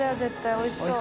おいしそう。